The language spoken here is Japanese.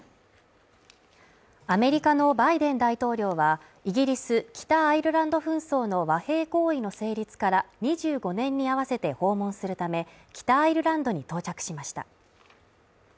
アメリカのバイデン大統領は、イギリス北アイルランド紛争の和平合意の成立から２５年に合わせて訪問するため、北アイルランドに到着しました。